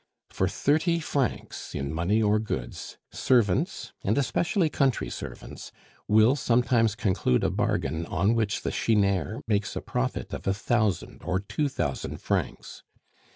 For thirty francs in money or goods, servants, and especially country servants, will sometimes conclude a bargain on which the chineur makes a profit of a thousand or two thousand francs.